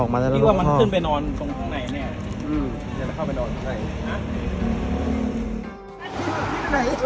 อืมอยากจะเข้าไปนอนตรงไหนอ่ะ